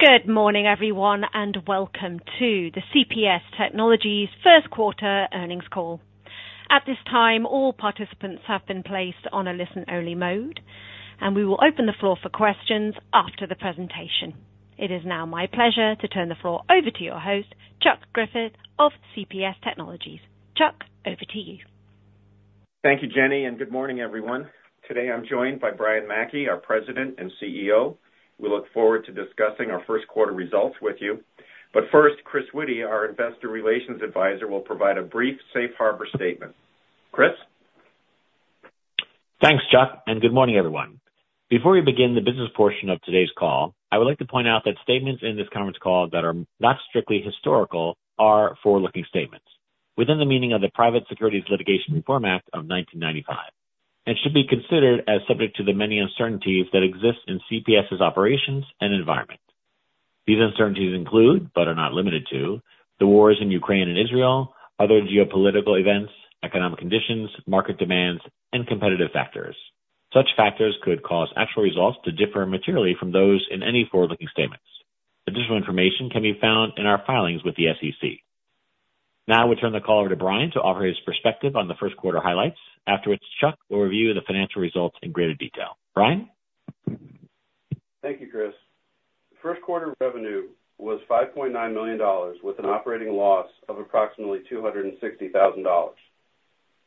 Good morning, everyone, and welcome to the CPS Technologies first quarter earnings call. At this time, all participants have been placed on a listen-only mode, and we will open the floor for questions after the presentation. It is now my pleasure to turn the floor over to your host, Chuck Griffith of CPS Technologies. Chuck, over to you. Thank you, Jenny, and good morning, everyone. Today I'm joined by Brian Mackey, our president and CEO. We look forward to discussing our first quarter results with you. But first, Chris Witty, our investor relations advisor, will provide a brief Safe Harbor statement. Chris? Thanks, Chuck, and good morning, everyone. Before we begin the business portion of today's call, I would like to point out that statements in this conference call that are not strictly historical are forward-looking statements within the meaning of the Private Securities Litigation Reform Act of 1995 and should be considered as subject to the many uncertainties that exist in CPS's operations and environment. These uncertainties include, but are not limited to, the wars in Ukraine and Israel, other geopolitical events, economic conditions, market demands, and competitive factors. Such factors could cause actual results to differ materially from those in any forward-looking statements. Additional information can be found in our filings with the SEC. Now we turn the call over to Brian to offer his perspective on the first quarter highlights. Afterwards, Chuck will review the financial results in greater detail. Brian? Thank you, Chris. First quarter revenue was $5.9 million with an operating loss of approximately $260,000.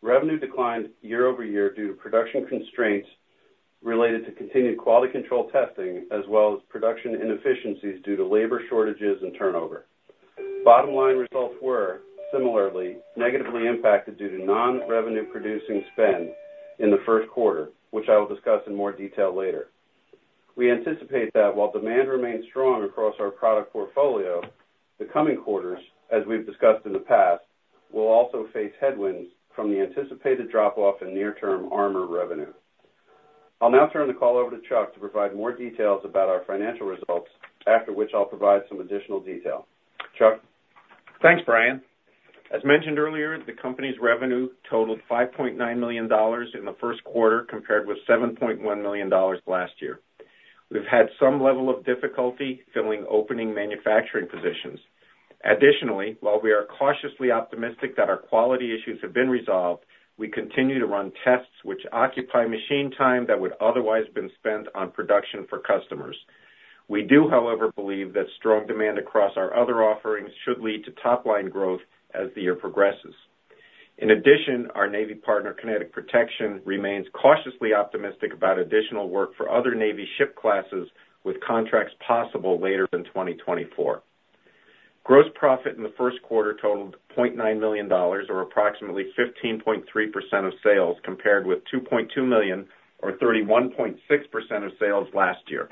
Revenue declined year-over-year due to production constraints related to continued quality control testing as well as production inefficiencies due to labor shortages and turnover. Bottom-line results were, similarly, negatively impacted due to non-revenue-producing spend in the first quarter, which I will discuss in more detail later. We anticipate that while demand remains strong across our product portfolio, the coming quarters, as we've discussed in the past, will also face headwinds from the anticipated drop-off in near-term armor revenue. I'll now turn the call over to Chuck to provide more details about our financial results, after which I'll provide some additional detail. Chuck? Thanks, Brian. As mentioned earlier, the company's revenue totaled $5.9 million in the first quarter compared with $7.1 million last year. We've had some level of difficulty filling open manufacturing positions. Additionally, while we are cautiously optimistic that our quality issues have been resolved, we continue to run tests which occupy machine time that would otherwise have been spent on production for customers. We do, however, believe that strong demand across our other offerings should lead to top-line growth as the year progresses. In addition, our Navy partner, Kinetic Protection, remains cautiously optimistic about additional work for other Navy ship classes with contracts possible later than 2024. Gross profit in the first quarter totaled $0.9 million, or approximately 15.3% of sales, compared with $2.2 million, or 31.6% of sales, last year.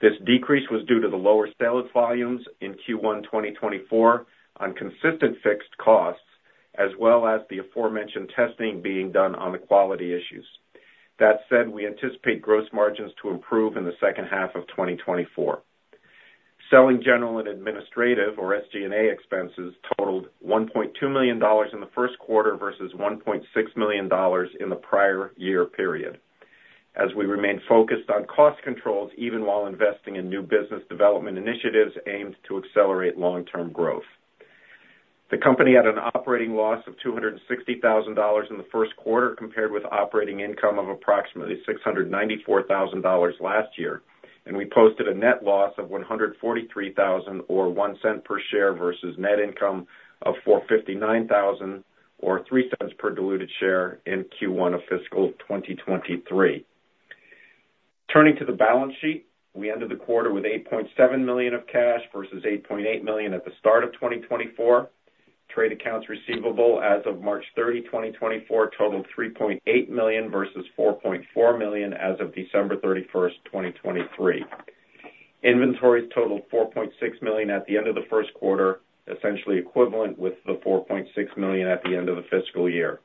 This decrease was due to the lower sales volumes in Q1 2024 on consistent fixed costs as well as the aforementioned testing being done on the quality issues. That said, we anticipate gross margins to improve in the second half of 2024. Selling general and administrative, or SG&A, expenses totaled $1.2 million in the first quarter versus $1.6 million in the prior year period, as we remain focused on cost controls even while investing in new business development initiatives aimed to accelerate long-term growth. The company had an operating loss of $260,000 in the first quarter compared with operating income of approximately $694,000 last year, and we posted a net loss of $143,000, or 1 cent per share, versus net income of $459,000, or 3 cents per diluted share, in Q1 of fiscal 2023. Turning to the balance sheet, we ended the quarter with $8.7 million of cash versus $8.8 million at the start of 2024. Trade accounts receivable as of March 30, 2024, totaled $3.8 million versus $4.4 million as of December 31, 2023. Inventories totaled $4.6 million at the end of the first quarter, essentially equivalent with the $4.6 million at the end of the fiscal year.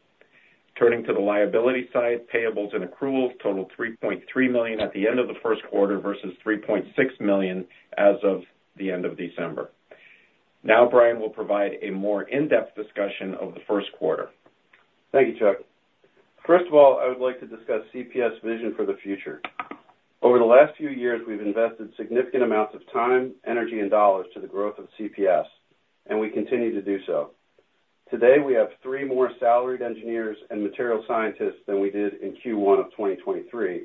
Turning to the liability side, payables and accruals totaled $3.3 million at the end of the first quarter versus $3.6 million as of the end of December. Now, Brian will provide a more in-depth discussion of the first quarter. Thank you, Chuck. First of all, I would like to discuss CPS's vision for the future. Over the last few years, we've invested significant amounts of time, energy, and dollars to the growth of CPS, and we continue to do so. Today, we have three more salaried engineers and material scientists than we did in Q1 of 2023,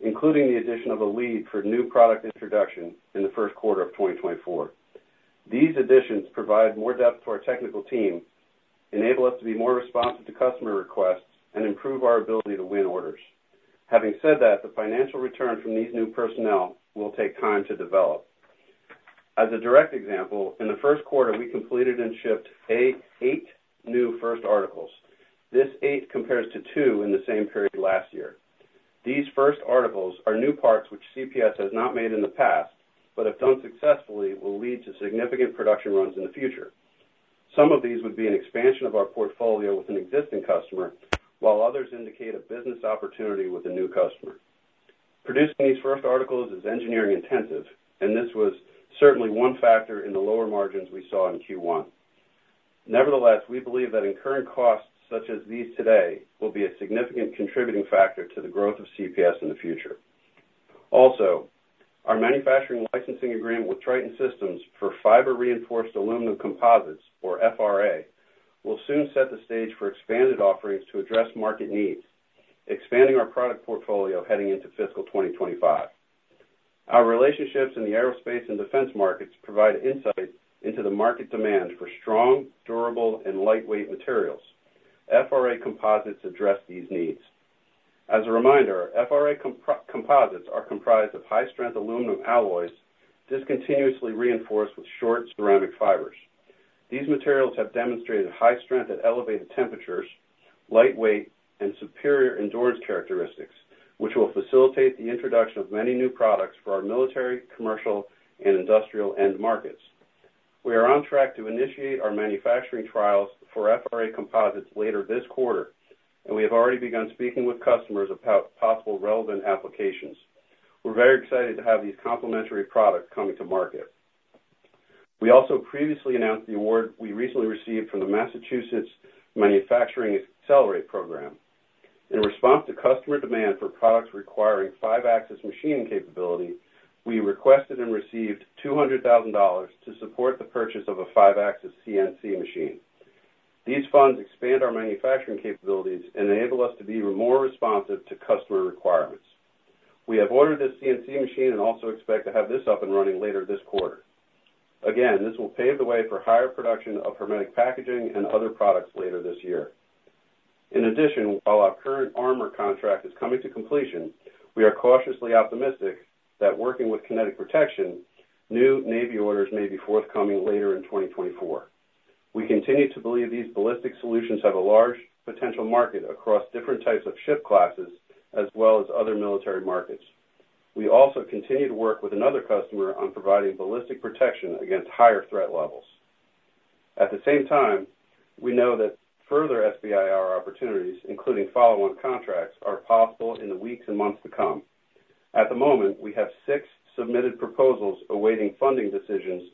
including the addition of a lead for new product introduction in the first quarter of 2024. These additions provide more depth to our technical team, enable us to be more responsive to customer requests, and improve our ability to win orders. Having said that, the financial return from these new personnel will take time to develop. As a direct example, in the first quarter, we completed and shipped eight new first articles. This eight compares to two in the same period last year. These first articles are new parts which CPS has not made in the past but have done successfully, will lead to significant production runs in the future. Some of these would be an expansion of our portfolio with an existing customer, while others indicate a business opportunity with a new customer. Producing these first articles is engineering-intensive, and this was certainly one factor in the lower margins we saw in Q1. Nevertheless, we believe that incurring costs such as these today will be a significant contributing factor to the growth of CPS in the future. Also, our manufacturing licensing agreement with Triton Systems for Fiber-Reinforced Aluminum composites, or FRA, will soon set the stage for expanded offerings to address market needs, expanding our product portfolio heading into fiscal 2025. Our relationships in the aerospace and defense markets provide insight into the market demand for strong, durable, and lightweight materials. FRA composites address these needs. As a reminder, FRA composites are comprised of high-strength aluminum alloys discontinuously reinforced with short ceramic fibers. These materials have demonstrated high strength at elevated temperatures, lightweight, and superior endurance characteristics, which will facilitate the introduction of many new products for our military, commercial, and industrial end markets. We are on track to initiate our manufacturing trials for FRA composites later this quarter, and we have already begun speaking with customers about possible relevant applications. We're very excited to have these complementary products coming to market. We also previously announced the award we recently received from the Massachusetts Manufacturing Accelerate Program. In response to customer demand for products requiring 5-axis machining capability, we requested and received $200,000 to support the purchase of a 5-axis CNC machine. These funds expand our manufacturing capabilities and enable us to be more responsive to customer requirements. We have ordered this CNC machine and also expect to have this up and running later this quarter. Again, this will pave the way for higher production of hermetic packaging and other products later this year. In addition, while our current armor contract is coming to completion, we are cautiously optimistic that working with Kinetic Protection, new Navy orders may be forthcoming later in 2024. We continue to believe these ballistic solutions have a large potential market across different types of ship classes as well as other military markets. We also continue to work with another customer on providing ballistic protection against higher threat levels. At the same time, we know that further SBIR opportunities, including follow-on contracts, are possible in the weeks and months to come. At the moment, we have 6 submitted proposals awaiting funding decisions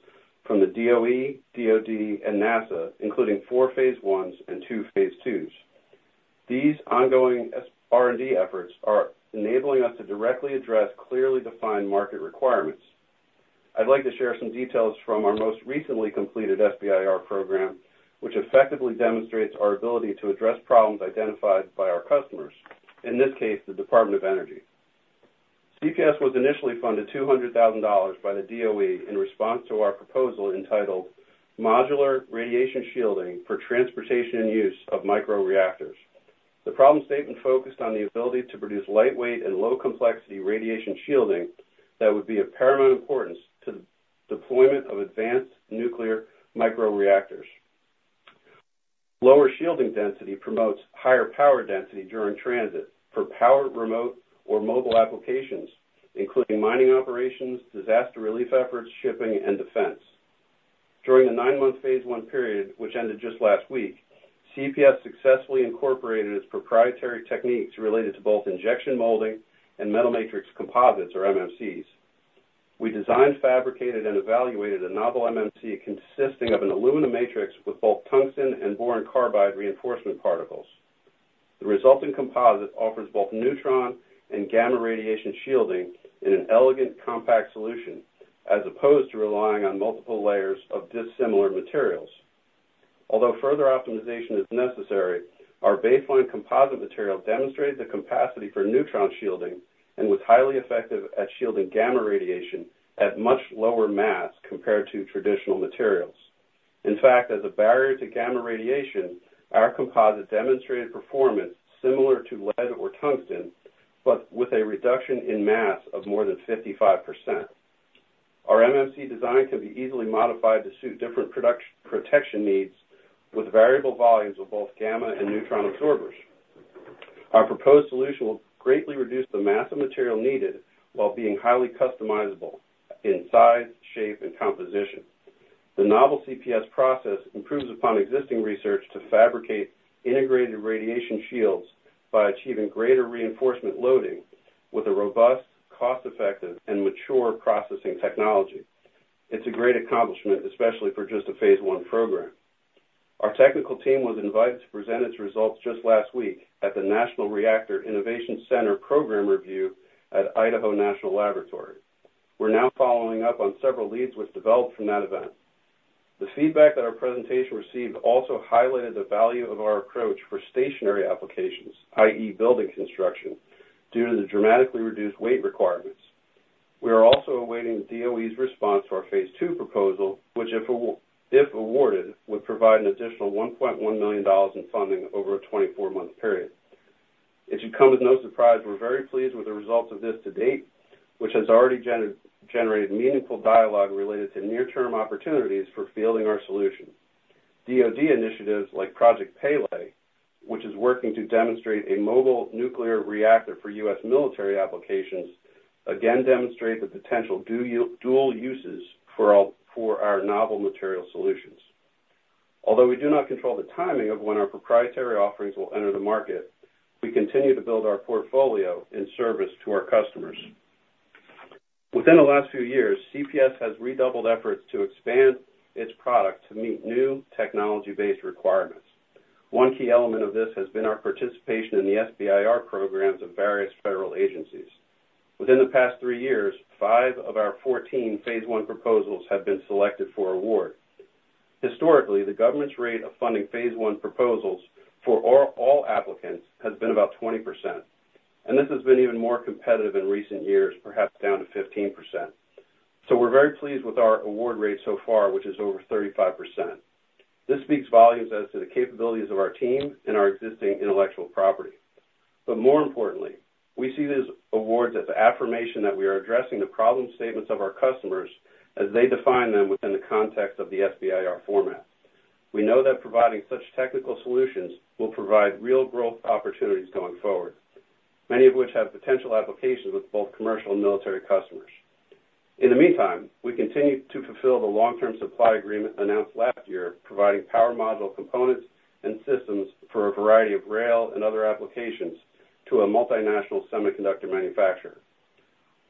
from the DOE, DOD, and NASA, including 4 Phase I's and 2 Phase II's. These ongoing R&D efforts are enabling us to directly address clearly defined market requirements. I'd like to share some details from our most recently completed SBIR program, which effectively demonstrates our ability to address problems identified by our customers, in this case, the Department of Energy. CPS was initially funded $200,000 by the DOE in response to our proposal entitled Modular Radiation Shielding for Transportation and Use of Microreactors. The problem statement focused on the ability to produce lightweight and low-complexity radiation shielding that would be of paramount importance to the deployment of advanced nuclear microreactors. Lower shielding density promotes higher power density during transit for powering remote or mobile applications, including mining operations, disaster relief efforts, shipping, and defense. During the nine-month Phase I period, which ended just last week, CPS successfully incorporated its proprietary techniques related to both injection molding and metal matrix composites, or MMCs. We designed, fabricated, and evaluated a novel MMC consisting of an aluminum matrix with both tungsten and boron carbide reinforcement particles. The resulting composite offers both neutron and gamma radiation shielding in an elegant, compact solution as opposed to relying on multiple layers of dissimilar materials. Although further optimization is necessary, our baseline composite material demonstrated the capacity for neutron shielding and was highly effective at shielding gamma radiation at much lower mass compared to traditional materials. In fact, as a barrier to gamma radiation, our composite demonstrated performance similar to lead or tungsten but with a reduction in mass of more than 55%. Our MMC design can be easily modified to suit different protection needs with variable volumes of both gamma and neutron absorbers. Our proposed solution will greatly reduce the mass of material needed while being highly customizable in size, shape, and composition. The novel CPS process improves upon existing research to fabricate integrated radiation shields by achieving greater reinforcement loading with a robust, cost-effective, and mature processing technology. It's a great accomplishment, especially for just a Phase I program. Our technical team was invited to present its results just last week at the National Reactor Innovation Center Program Review at Idaho National Laboratory. We're now following up on several leads which developed from that event. The feedback that our presentation received also highlighted the value of our approach for stationary applications, i.e., building construction, due to the dramatically reduced weight requirements. We are also awaiting the DOE's response to our Phase II proposal, which, if awarded, would provide an additional $1.1 million in funding over a 24-month period. It should come as no surprise we're very pleased with the results of this to date, which has already generated meaningful dialogue related to near-term opportunities for fielding our solution. DOD initiatives like Project Pele, which is working to demonstrate a mobile nuclear reactor for U.S. military applications, again demonstrate the potential dual uses for our novel material solutions. Although we do not control the timing of when our proprietary offerings will enter the market, we continue to build our portfolio in service to our customers. Within the last few years, CPS has redoubled efforts to expand its product to meet new technology-based requirements. One key element of this has been our participation in the SBIR programs of various federal agencies. Within the past three years, five of our 14 Phase I proposals have been selected for award. Historically, the government's rate of funding Phase I proposals for all applicants has been about 20%, and this has been even more competitive in recent years, perhaps down to 15%. So we're very pleased with our award rate so far, which is over 35%. This speaks volumes as to the capabilities of our team and our existing intellectual property. But more importantly, we see these awards as an affirmation that we are addressing the problem statements of our customers as they define them within the context of the SBIR format. We know that providing such technical solutions will provide real growth opportunities going forward, many of which have potential applications with both commercial and military customers. In the meantime, we continue to fulfill the long-term supply agreement announced last year, providing power module components and systems for a variety of rail and other applications to a multinational semiconductor manufacturer.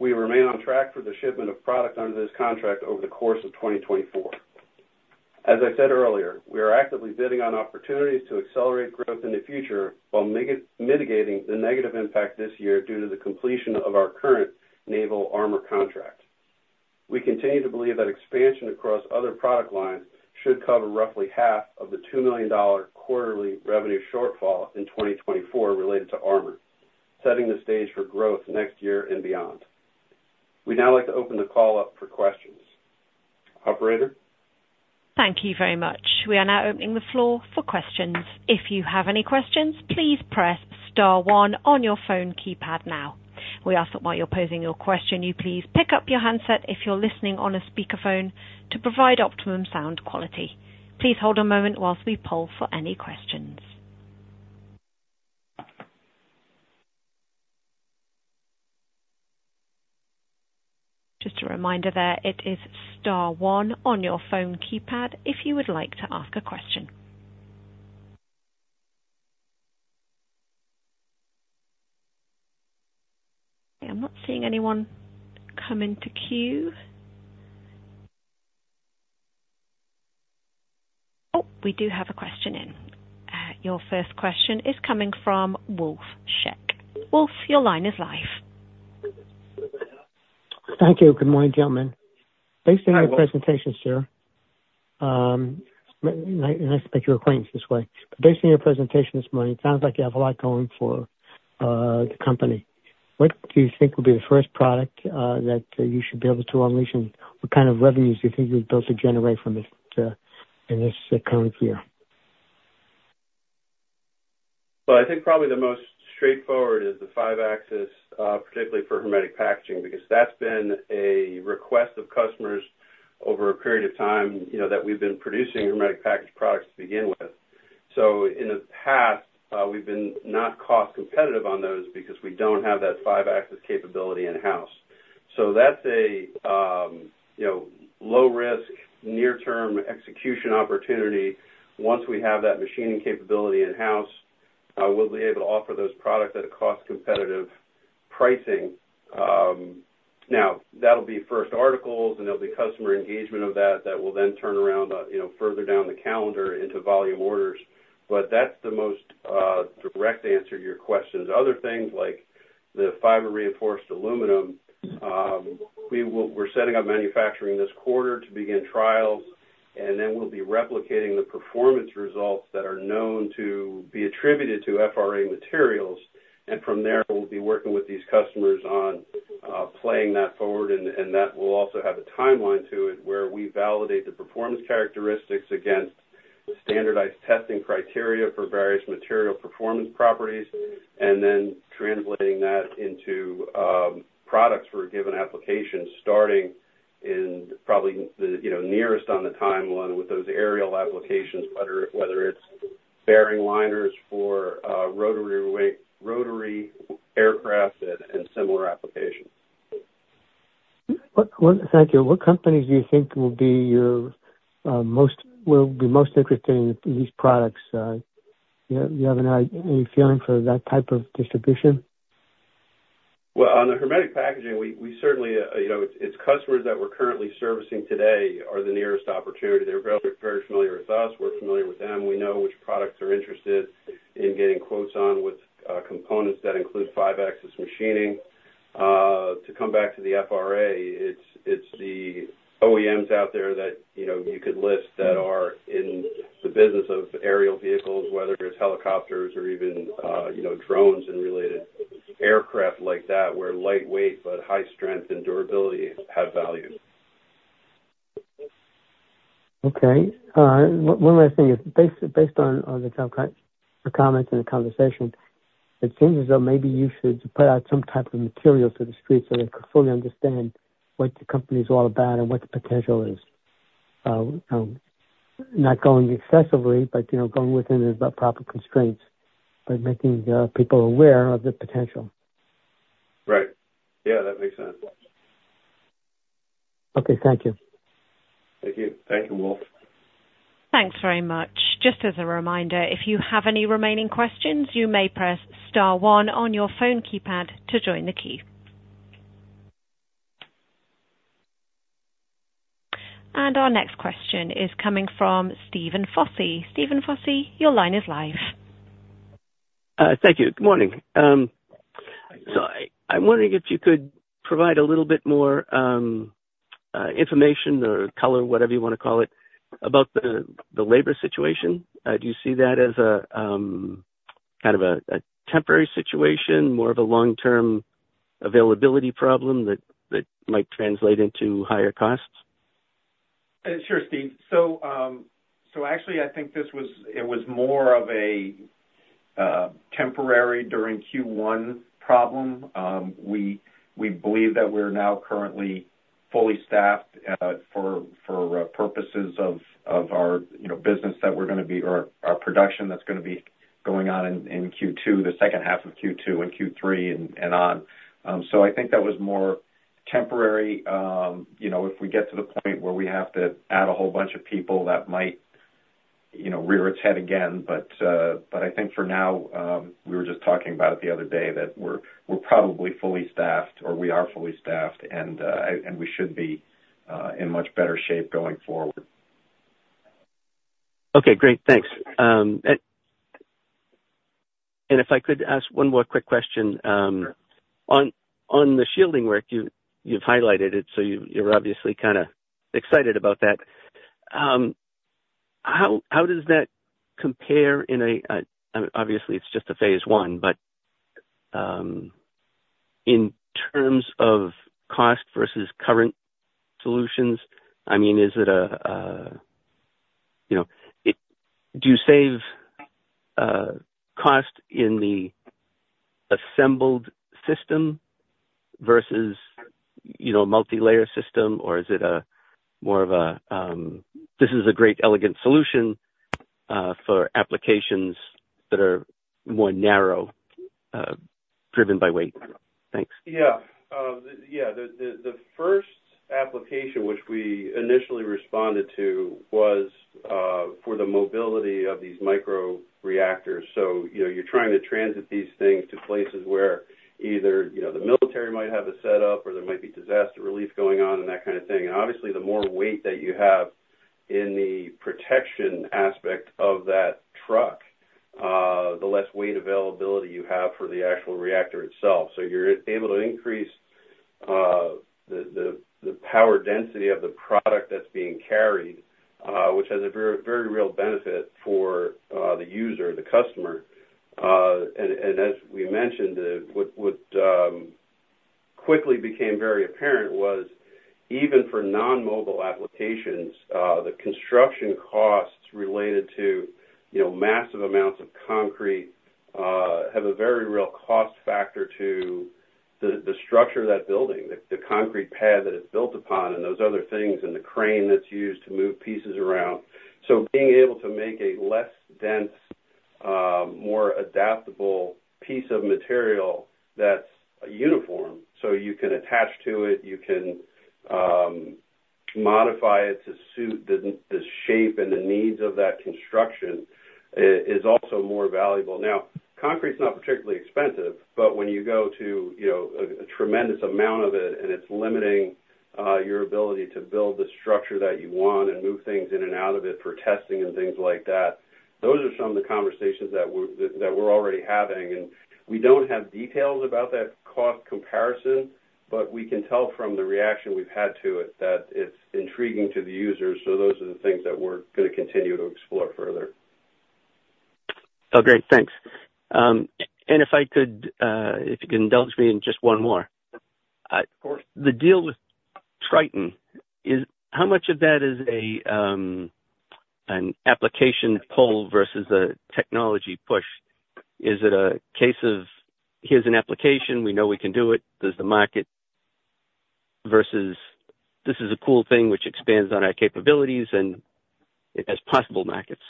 We remain on track for the shipment of product under this contract over the course of 2024. As I said earlier, we are actively bidding on opportunities to accelerate growth in the future while mitigating the negative impact this year due to the completion of our current naval armor contract. We continue to believe that expansion across other product lines should cover roughly half of the $2 million quarterly revenue shortfall in 2024 related to armor, setting the stage for growth next year and beyond. We now like to open the call up for questions. Operator? Thank you very much. We are now opening the floor for questions. If you have any questions, please press star one on your phone keypad now. We ask that while you're posing your question, you please pick up your handset if you're listening on a speakerphone to provide optimum sound quality. Please hold a moment whilst we poll for any questions. Just a reminder there, it is star one on your phone keypad if you would like to ask a question. I'm not seeing anyone come into queue. Oh, we do have a question in. Your first question is coming from Wolf Scheck. Wolf, your line is live. Thank you. Good morning, gentlemen. Based on your presentation, sir, nice to make your acquaintance this way. But based on your presentation this morning, it sounds like you have a lot going for the company. What do you think would be the first product that you should be able to unleash, and what kind of revenues do you think you would be able to generate from it in this coming year? Well, I think probably the most straightforward is the 5-axis, particularly for hermetic packaging because that's been a request of customers over a period of time that we've been producing hermetic package products to begin with. So in the past, we've been not cost-competitive on those because we don't have that 5-axis capability in-house. So that's a low-risk, near-term execution opportunity. Once we have that machining capability in-house, we'll be able to offer those products at a cost-competitive pricing. Now, that'll be first articles, and there'll be customer engagement of that that will then turn around further down the calendar into volume orders. But that's the most direct answer to your questions. Other things like the fiber-reinforced aluminum, we're setting up manufacturing this quarter to begin trials, and then we'll be replicating the performance results that are known to be attributed to FRA materials. From there, we'll be working with these customers on playing that forward, and that will also have a timeline to it where we validate the performance characteristics against standardized testing criteria for various material performance properties and then translating that into products for a given application starting in probably the nearest on the timeline with those aerial applications, whether it's bearing liners for rotary aircraft and similar applications. Thank you. What companies do you think will be most interested in these products? Do you have any feeling for that type of distribution? Well, on the hermetic packaging, we certainly it's customers that we're currently servicing today are the nearest opportunity. They're very familiar with us. We're familiar with them. We know which products are interested in getting quotes on with components that include five-axis machining. To come back to the FRA, it's the OEMs out there that you could list that are in the business of aerial vehicles, whether it's helicopters or even drones and related aircraft like that where lightweight but high strength and durability have value. Okay. One last thing. Based on the comments in the conversation, it seems as though maybe you should put out some type of materials to the streets so they could fully understand what the company's all about and what the potential is. Not going excessively, but going within the proper constraints but making people aware of the potential. Right. Yeah, that makes sense. Okay. Thank you. Thank you. Thank you, Wolf. Thanks very much. Just as a reminder, if you have any remaining questions, you may press star one on your phone keypad to join the queue. Our next question is coming from Stephen Fosse. Stephen Fosse, your line is live. Thank you. Good morning. I'm wondering if you could provide a little bit more information or color, whatever you want to call it, about the labor situation. Do you see that as kind of a temporary situation, more of a long-term availability problem that might translate into higher costs? Sure, Stephen. So actually, I think it was more of a temporary during Q1 problem. We believe that we're now currently fully staffed for purposes of our business that we're going to be or our production that's going to be going on in Q2, the second half of Q2 and Q3 and on. So I think that was more temporary. If we get to the point where we have to add a whole bunch of people, that might rear its head again. But I think for now, we were just talking about it the other day that we're probably fully staffed, or we are fully staffed, and we should be in much better shape going forward. Okay. Great. Thanks. And if I could ask one more quick question? Sure. On the shielding work, you've highlighted it, so you're obviously kind of excited about that. How does that compare in, obviously, it's just a Phase I, but in terms of cost versus current solutions, I mean, is it, do you save cost in the assembled system versus a multi-layer system, or is it more of a "This is a great, elegant solution for applications that are more narrow, driven by weight"? Thanks. Yeah. Yeah. The first application, which we initially responded to, was for the mobility of these microreactors. So you're trying to transit these things to places where either the military might have a setup or there might be disaster relief going on and that kind of thing. And obviously, the more weight that you have in the protection aspect of that truck, the less weight availability you have for the actual reactor itself. So you're able to increase the power density of the product that's being carried, which has a very real benefit for the user, the customer. And as we mentioned, what quickly became very apparent was even for non-mobile applications, the construction costs related to massive amounts of concrete have a very real cost factor to the structure of that building, the concrete pad that it's built upon, and those other things and the crane that's used to move pieces around. So being able to make a less dense, more adaptable piece of material that's uniform so you can attach to it, you can modify it to suit the shape and the needs of that construction is also more valuable. Now, concrete's not particularly expensive, but when you go to a tremendous amount of it and it's limiting your ability to build the structure that you want and move things in and out of it for testing and things like that, those are some of the conversations that we're already having. We don't have details about that cost comparison, but we can tell from the reaction we've had to it that it's intriguing to the users. Those are the things that we're going to continue to explore further. Oh, great. Thanks. And if you could indulge me in just one more. Of course. The deal with Triton, how much of that is an application pull versus a technology push? Is it a case of, "Here's an application. We know we can do it. This is the market," versus, "This is a cool thing which expands on our capabilities and it has possible markets"?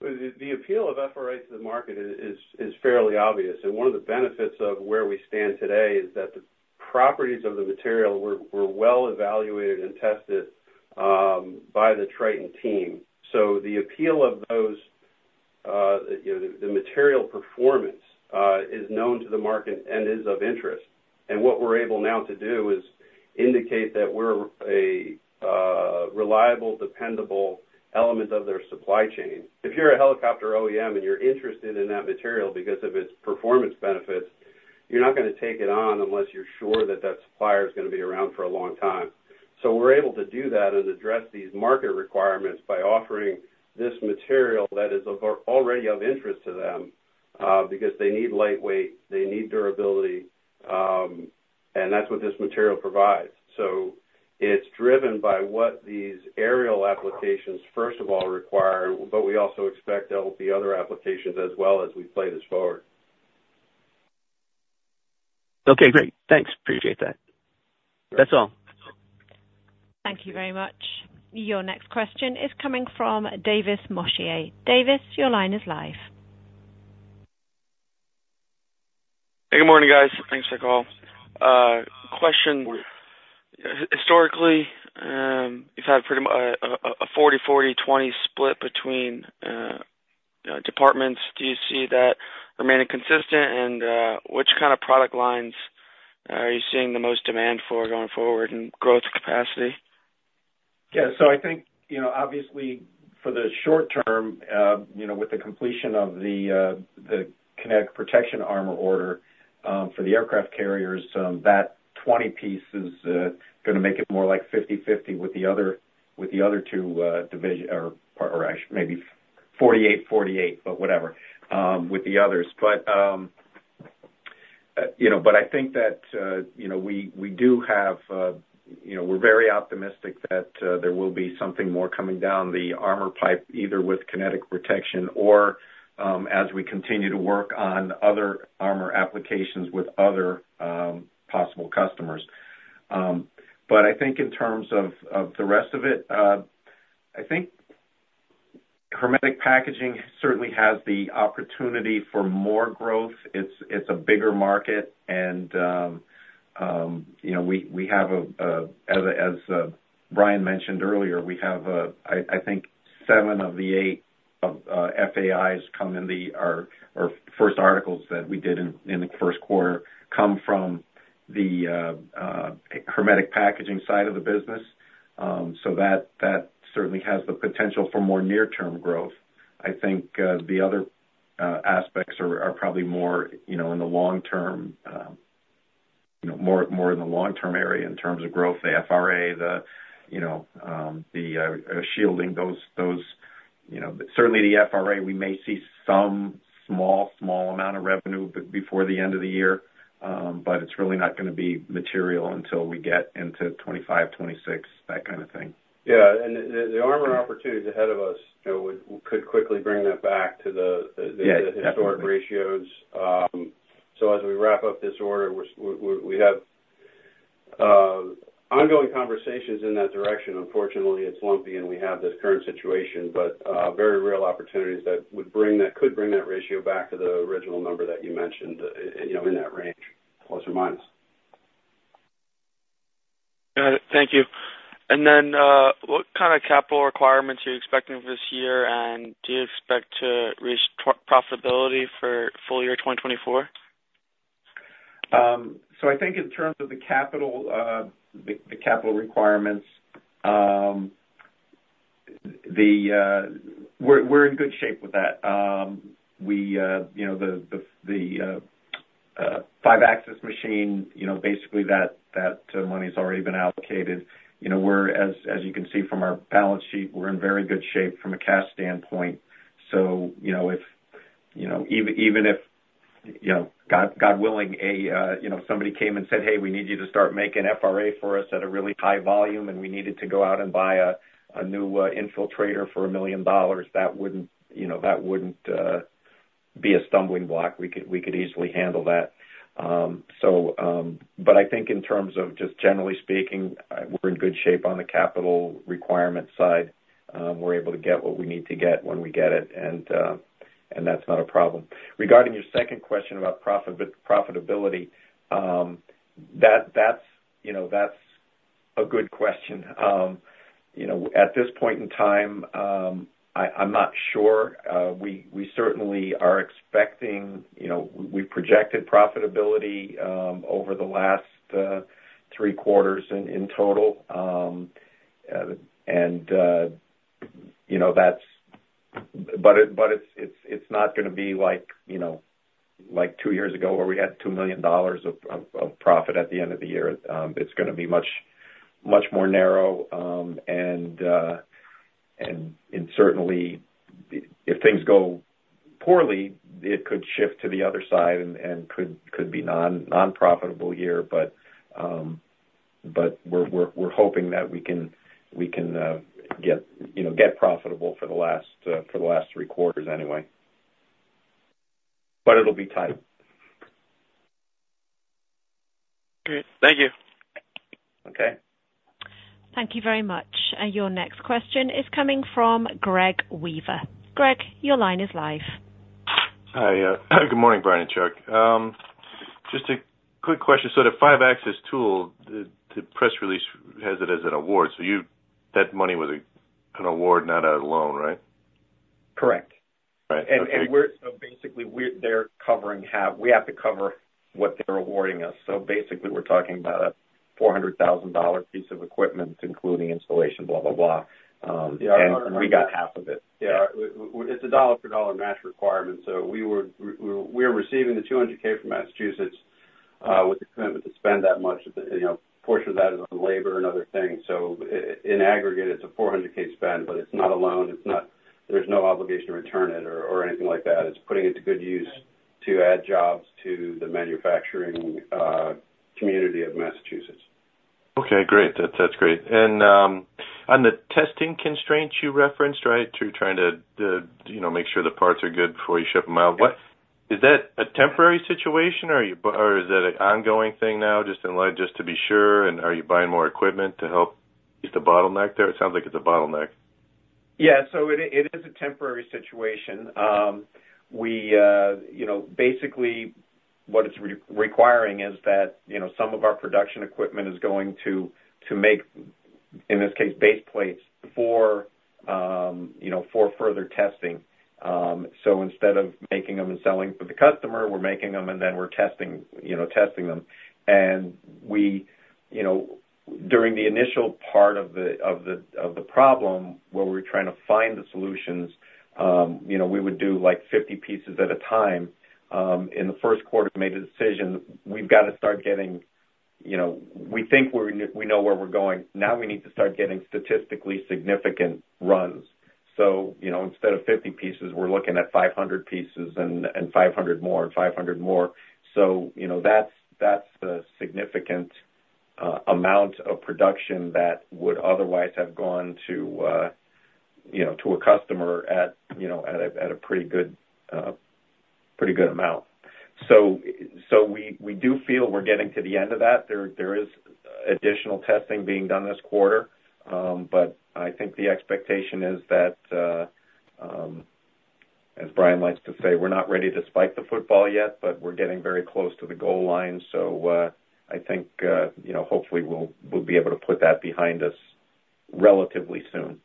The appeal of FRA to the market is fairly obvious. And one of the benefits of where we stand today is that the properties of the material were well evaluated and tested by the Triton team. So the appeal of those the material performance is known to the market and is of interest. And what we're able now to do is indicate that we're a reliable, dependable element of their supply chain. If you're a helicopter OEM and you're interested in that material because of its performance benefits, you're not going to take it on unless you're sure that that supplier is going to be around for a long time. So we're able to do that and address these market requirements by offering this material that is already of interest to them because they need lightweight, they need durability, and that's what this material provides. It's driven by what these aerial applications, first of all, require, but we also expect there will be other applications as well as we play this forward. Okay. Great. Thanks. Appreciate that. That's all. Thank you very much. Your next question is coming from Davis Mosher. Davis, your line is live. Hey. Good morning, guys. Thanks for the call. Historically, you've had pretty much a 40/40/20 split between departments. Do you see that remaining consistent, and which kind of product lines are you seeing the most demand for going forward in growth capacity? Yeah. So I think, obviously, for the short term, with the completion of the Kinetic Protection armor order for the aircraft carriers, that 20 piece is going to make it more like 50/50 with the other two divisions or maybe 48/48, but whatever, with the others. But I think that we do have we're very optimistic that there will be something more coming down the armor pipe, either with Kinetic Protection or as we continue to work on other armor applications with other possible customers. But I think in terms of the rest of it, I think hermetic packaging certainly has the opportunity for more growth. It's a bigger market, and we have a as Brian mentioned earlier, we have, I think, 7 of the 8 FAIs come in the our first articles that we did in the first quarter come from the hermetic packaging side of the business. So that certainly has the potential for more near-term growth. I think the other aspects are probably more in the long-term more in the long-term area in terms of growth, the FRA, the shielding. Certainly, the FRA, we may see some small, small amount of revenue before the end of the year, but it's really not going to be material until we get into 2025, 2026, that kind of thing. Yeah. And the armor opportunities ahead of us could quickly bring that back to the historic ratios. So as we wrap up this order, we have ongoing conversations in that direction. Unfortunately, it's lumpy, and we have this current situation, but very real opportunities that could bring that ratio back to the original number that you mentioned in that range, plus or minus. Got it. Thank you. And then what kind of capital requirements are you expecting for this year, and do you expect to reach profitability for full year 2024? So I think in terms of the capital requirements, we're in good shape with that. The 5-axis machine, basically, that money's already been allocated. As you can see from our balance sheet, we're in very good shape from a cash standpoint. So even if, God willing, somebody came and said, "Hey, we need you to start making FRA for us at a really high volume, and we needed to go out and buy a new infiltrator for $1 million," that wouldn't be a stumbling block. We could easily handle that. But I think in terms of just generally speaking, we're in good shape on the capital requirement side. We're able to get what we need to get when we get it, and that's not a problem. Regarding your second question about profitability, that's a good question. At this point in time, I'm not sure. We certainly are expecting. We've projected profitability over the last three quarters in total, but it's not going to be like two years ago where we had $2 million of profit at the end of the year. It's going to be much, much more narrow. And certainly, if things go poorly, it could shift to the other side and could be a nonprofitable year. But we're hoping that we can get profitable for the last three quarters anyway, but it'll be tight. Great. Thank you. Okay. Thank you very much. Your next question is coming from Greg Weaver. Greg, your line is live. Hi. Good morning, Brian and Chuck. Just a quick question. So the 5-axis tool, the press release has it as an award. So that money was an award, not a loan, right? Correct. And so basically, they're covering half. We have to cover what they're awarding us. So basically, we're talking about a $400,000 piece of equipment, including installation, blah, blah, blah. And we got half of it. Yeah. It's a dollar-for-dollar match requirement. So we are receiving the $200,000 from Massachusetts with the commitment to spend that much. A portion of that is on labor and other things. So in aggregate, it's a $400,000 spend, but it's not a loan. There's no obligation to return it or anything like that. It's putting it to good use to add jobs to the manufacturing community of Massachusetts. Okay. Great. That's great. And on the testing constraints you referenced, right, to trying to make sure the parts are good before you ship them out, is that a temporary situation, or is that an ongoing thing now, just to be sure? And are you buying more equipment to help ease the bottleneck there? It sounds like it's a bottleneck. Yeah. So it is a temporary situation. Basically, what it's requiring is that some of our production equipment is going to make, in this case, base plates for further testing. So instead of making them and selling for the customer, we're making them, and then we're testing them. And during the initial part of the problem, where we were trying to find the solutions, we would do 50 pieces at a time. In the first quarter, we made a decision. We've got to start getting we think we know where we're going. Now we need to start getting statistically significant runs. So instead of 50 pieces, we're looking at 500 pieces and 500 more and 500 more. So that's the significant amount of production that would otherwise have gone to a customer at a pretty good amount. So we do feel we're getting to the end of that. There is additional testing being done this quarter, but I think the expectation is that, as Brian likes to say, we're not ready to spike the football yet, but we're getting very close to the goal line. So I think, hopefully, we'll be able to put that behind us relatively soon.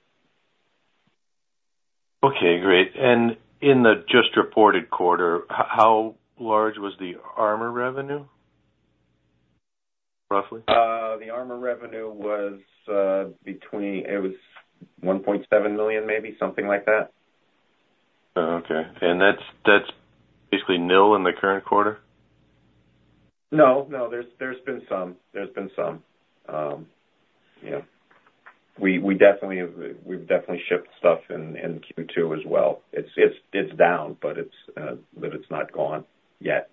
Okay. Great. And in the just-reported quarter, how large was the armor revenue, roughly? The armor revenue was, it was $1.7 million, maybe, something like that. Oh, okay. And that's basically nil in the current quarter? No. There's been some. Yeah. We've definitely shipped stuff in Q2 as well. It's down, but it's not gone yet.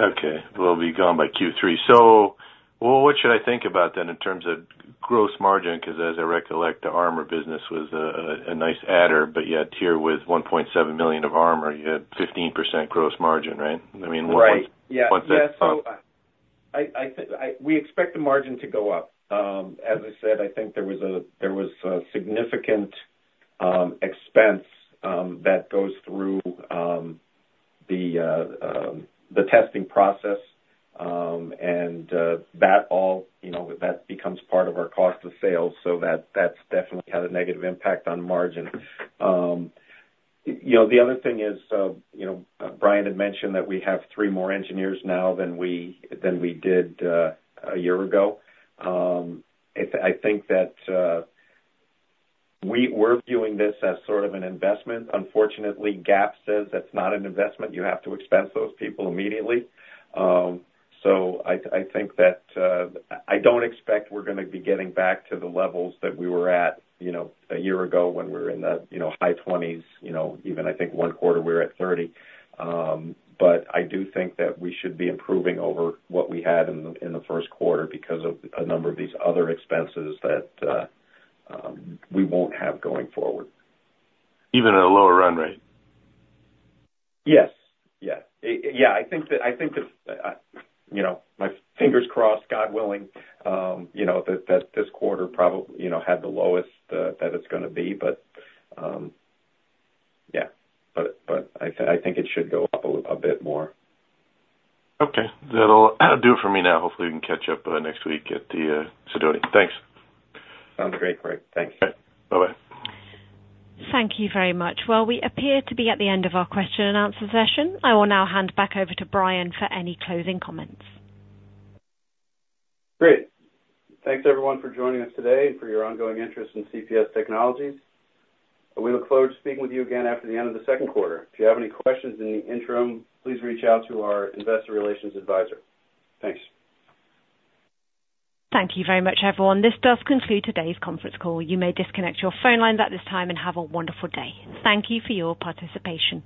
Okay. Well, it'll be gone by Q3. So what should I think about then in terms of gross margin? Because as I recollect, the armor business was a nice adder, but yet here with $1.7 million of armor, you had 15% gross margin, right? I mean, once that's done. Right. Yeah. So we expect the margin to go up. As I said, I think there was a significant expense that goes through the testing process, and that becomes part of our cost of sales. So that's definitely had a negative impact on margin. The other thing is, Brian had mentioned that we have 3 more engineers now than we did a year ago. I think that we're viewing this as sort of an investment. Unfortunately, GAAP says that's not an investment. You have to expense those people immediately. So I think that I don't expect we're going to be getting back to the levels that we were at a year ago when we were in the high 20s%. Even, I think, one quarter, we were at 30%. I do think that we should be improving over what we had in the first quarter because of a number of these other expenses that we won't have going forward. Even at a lower run rate? Yes. Yes. Yeah. I think that, fingers crossed, God willing, that this quarter had the lowest that it's going to be. But yeah. But I think it should go up a bit more. Okay. That'll do it for me now. Hopefully, we can catch up next week at the Sidoti. Thanks. Sounds great. Great. Thanks. All right. Bye-bye. Thank you very much. Well, we appear to be at the end of our question-and-answer session. I will now hand back over to Brian for any closing comments. Great. Thanks, everyone, for joining us today and for your ongoing interest in CPS Technologies. We look forward to speaking with you again after the end of the second quarter. If you have any questions in the interim, please reach out to our investor relations advisor. Thanks. Thank you very much, everyone. This does conclude today's conference call. You may disconnect your phone lines at this time and have a wonderful day. Thank you for your participation.